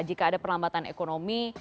jika ada perlambatan ekonomi